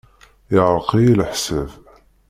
Iɛreq-iyi leḥsab.